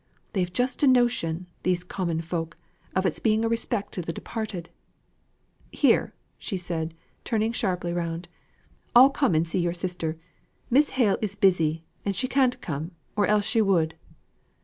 They've just a notion, these common folks, of its being a respect to the departed. Here," said she, turning sharply round, "I'll come and see your sister. Miss Hale is busy, and she can't come, or else she would."